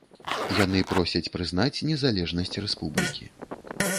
Яны просяць прызнаць незалежнасць рэспублікі.